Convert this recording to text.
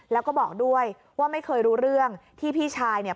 แล้วก็บอกด้วยว่าไม่เคยรู้เรื่องที่พี่ชายเนี่ย